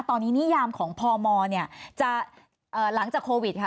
ตอนนี้นิยามของพมเนี่ยจะหลังจากโควิดค่ะ